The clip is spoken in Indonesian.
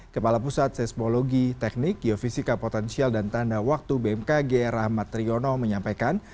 kepala pusat seismologi teknik geofisika potensial dan tanda waktu bmkg rahmat riono menyampaikan